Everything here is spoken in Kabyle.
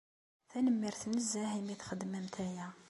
Tanemmirt nezzeh imi txedmemt aya.